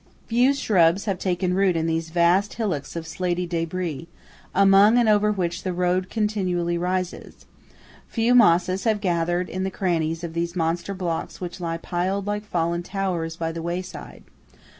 Few shrubs have taken root in these vast hillocks of slaty débris, among and over which the road rises continually; few mosses have gathered in the crannies of these monster blocks which lie piled like fallen towers by the wayside.